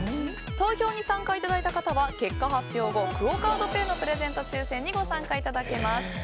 投票に参加いただいた方は結果発表後クオ・カードペイのプレゼント抽選にご参加いただけます。